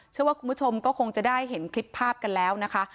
เชื่อว่าคุณผู้ชมก็คงจะได้เห็นคลิปภาพกันแล้วนะคะ